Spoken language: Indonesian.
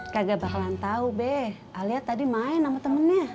kagak bakalan tau be alia tadi main sama temennya